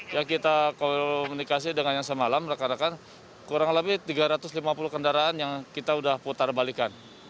yang kita komunikasi dengan yang semalam rekan rekan kurang lebih tiga ratus lima puluh kendaraan yang kita sudah putar balikan